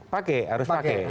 pakai harus pakai